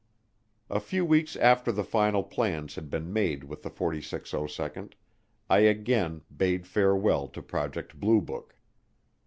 A few weeks after the final plans had been made with the 4602nd, I again bade farewell to Project Blue Book.